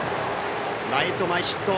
ライト前ヒット。